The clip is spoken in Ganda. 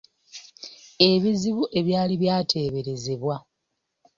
Ebizibu ebyali byateeberezebwa.